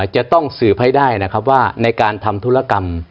จะต้องสืบให้ได้นะครับว่าในการทำธุรกรรม